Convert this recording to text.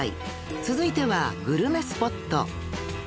［続いてはグルメスポット］